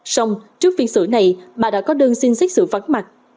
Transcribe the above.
xong trước phiên xử này bà đã có đơn xin xét xử vắng mặt